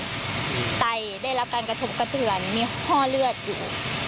ไตได้รับการกระทบกระเตือนมีห้อเลือดอยู่